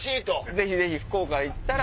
ぜひぜひ！福岡行ったら。